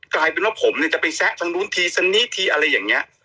กลายเป็นว่าผมเนี่ยจะไปแซะทางนู้นทีทางนี้ทีอะไรอย่างนี้